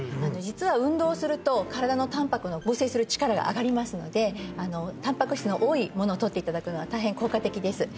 実は運動をすると身体のたんぱくの合成する力が上がりますのでたんぱく質の多いものをとっていただくのは大変効果的です